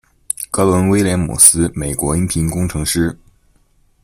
格伦·威廉姆斯，美国音频工程师。